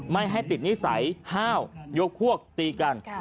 ไม่ให้ติดนิสัยห้าวยกพวกตีกัน